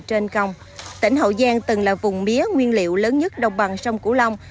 trên công tỉnh hậu giang từng là vùng mía nguyên liệu lớn nhất đồng bằng sông cửu long